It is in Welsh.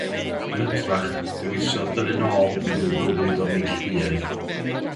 Yn hytrach, dewisodd dynnu'n ôl i fyw bywyd o neilltuaeth.